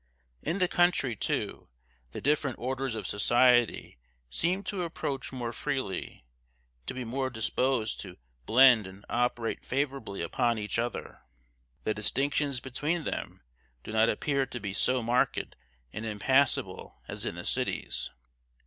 In the country, too, the different orders of society seem to approach more freely, to be more disposed to blend and operate favorably upon each other. The distinctions between them do not appear to be so marked and impassable as in the cities.